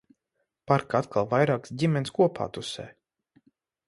Parkā atkal vairākas ģimenes kopā tusē.